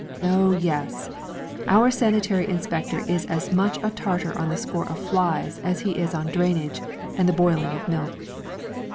Oh yes! our sanitary inspector is as much a tartar on the score of flies as he is on drainage and the boiling of milk.